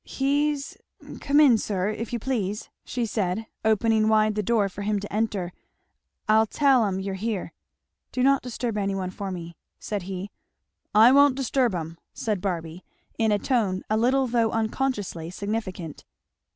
"He's Come in, sir, if you please," she said, opening wide the door for him to enter, "I'll tell 'em you're here." "Do not disturb any one for me," said he. "I won't disturb 'em!" said Barby, in a tone a little though unconsciously significant.